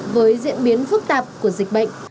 với diễn biến phức tạp của dịch bệnh